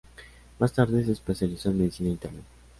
Más tarde se especializó en medicina interna.